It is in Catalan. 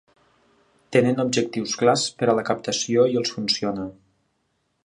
Tenen objectius clars per a la captació i els funciona.